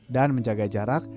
dan menjaga jarak